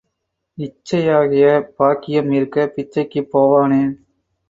இச்சையாகிய பாக்கியம் இருக்கப் பிச்சைக்குப் போவானேன்?